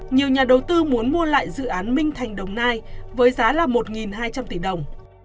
nhiều nhà đầu tư muốn mua lại dự án minh thành đồng nai với giá là một hai trăm linh tỷ đồng